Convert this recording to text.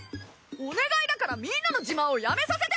お願いだからみんなの自慢をやめさせて。